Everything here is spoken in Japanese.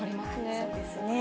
そうですね。